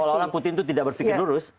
seolah olah putin itu tidak berpikir lurus